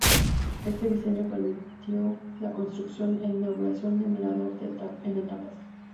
Este diseño permitió la construcción e inauguración del Mirador en etapas.